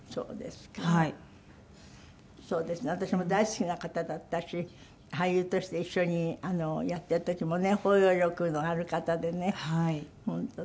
私も大好きな方だったし俳優として一緒にやってる時もね包容力のある方でね本当に。